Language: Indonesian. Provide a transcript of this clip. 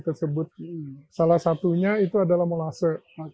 tersebut salah satunya itu adalah molase